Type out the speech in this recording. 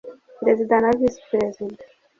Perezida na Visi Perezida